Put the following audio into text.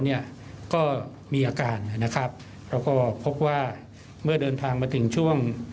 เนี่ยก็มีอาการนะครับแล้วก็พบว่าเมื่อเดินทางมาถึงช่วง